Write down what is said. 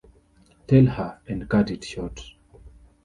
Tell her and cut it short.